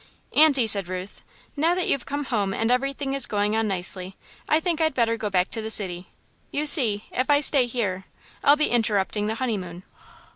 "Aunty," said Ruth, "now that you've come home and everything is going on nicely, I think I'd better go back to the city. You see, if I stay here, I'll be interrupting the honeymoon."